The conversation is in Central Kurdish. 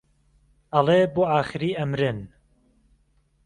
ئەڵێ بۆ ئاخری ئەمرن